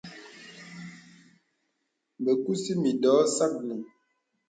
Bə kūsì mìndɔ̄ɔ̄ sâknì.